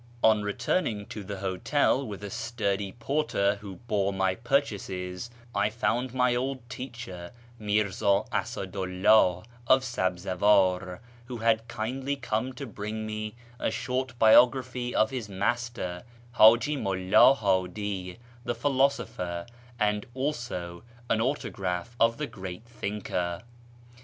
On returning to the hotel with a sturdy porter who bore my purchases, I found my old teacher Mi'rza Asadu 'llah of Sabzawar, who had kindly come to bring me a short biography of his master Haji ]\Iulla Hadi the philosopher, and also an autograph of the great thinker.